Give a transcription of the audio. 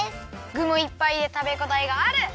ぐもいっぱいでたべごたえがある！